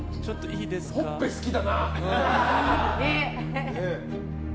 ほっぺ好きだな！